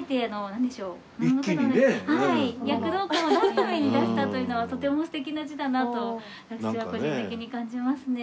躍動感を出すために出したというのはとても素敵な字だなと私は個人的に感じますね。